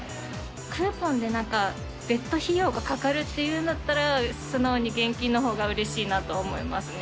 クーポンでなんか別途費用がかかるっていうんだったら、素直に現金のほうがうれしいなと思いますね。